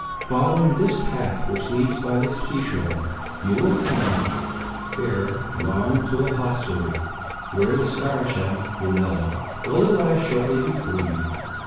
Following this path which leads by the seashore, you will come ere long to a hostelry, where the Saracen Brunello will arrive shortly before you.